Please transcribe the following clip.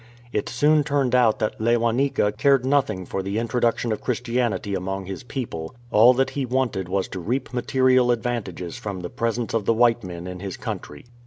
It soon turned out that Lewanika cared nothing for the introduction of Christianity among his people ; all that he wanted was to reap material advantages from the presence of the white men in his country.